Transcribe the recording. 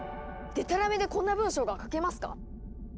でたらめでこんな文章が書けますか？